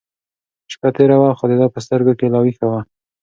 شپه تېره وه خو د ده په سترګو کې لا وېښه وه.